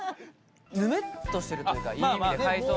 ぬめっとしてるっていうかいい意味で海藻の。